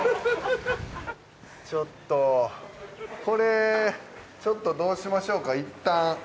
これちょっとどうしましょうかいったん。